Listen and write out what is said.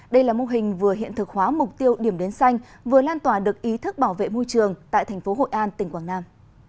đây là mô hình vừa hiện thực hóa mục tiêu điểm đến xanh vừa lan tỏa được ý thức bảo vệ môi trường tại thành phố hội an tỉnh quảng nam